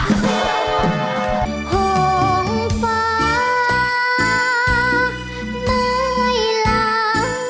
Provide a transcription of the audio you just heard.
โฮงฟ้าไม่หลัง